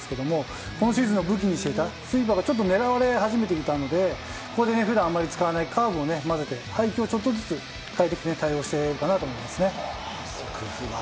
今シーズンの武器にしていたスイーパーがちょっと狙われ始めていたのでここで普段あまり使わないカーブを混ぜて、配球を変えて対応しているかなと思いますね。